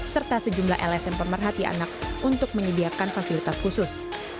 serta sejumlah lsm pemerhati anak untuk menyediakan fasilitas khusus